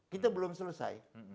kita belum selesai